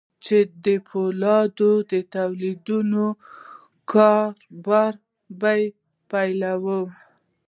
چې د پولادو د توليد نوي کاروبار به پيلوي.